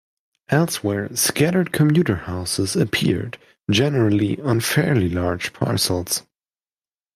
Elsewhere, scattered commuter houses appeared, generally on fairly large parcels.